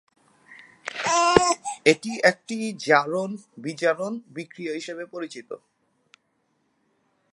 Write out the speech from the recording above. এটি একটি জারণ-বিজারণ বিক্রিয়া হিসেবে পরিচিত।